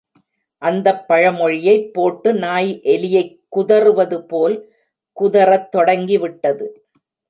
அந்தப் பழமொழியைப் போட்டு நாய் எலியைக் குதறுவதுபோல் குதறத் தொடங்கிவிட்டது.